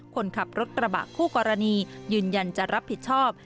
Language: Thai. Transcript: คนขับรถกระบะคู่กรณียืนยันจะรับผิดชอบ